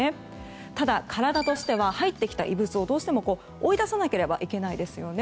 ただ、体としては入ってきた異物をどうしても追い出さなければいけないですよね。